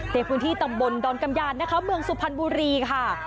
ในพื้นที่ตำบลดกำยาทะคร้วงสุพรรณบุรีค่ะ